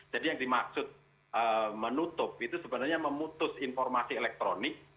jadi yang dimaksud menutup itu sebenarnya memutus informasi elektronik